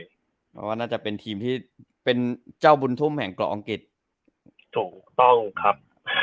เพราะว่าน่าจะเป็นทีมที่เป็นเจ้าบุญทุ่มแห่งเกาะอังกฤษถูกต้องครับ